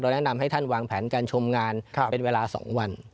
แนะนำให้ท่านวางแผนการชมงานเป็นเวลา๒วัน